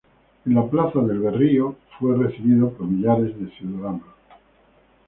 En la Plaza de Berrío fue recibido por millares de ciudadanos.